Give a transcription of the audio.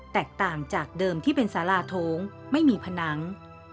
แตกต่างจากเดิมที่เป็นสาราโถงไม่มีผนัง